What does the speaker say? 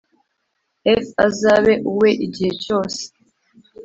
F azabe uwe igihe cyose